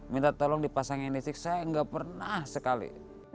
minta tolong dipasangin listrik saya nggak pernah sekali